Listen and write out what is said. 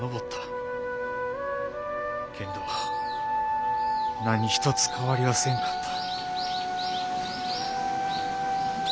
けんど何一つ変わりはせんかった。